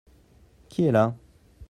Qui est là ?